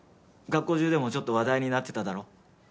学校中でもちょっと話題になってただろ？